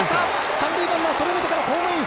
三塁ランナーそれを見てからホームイン！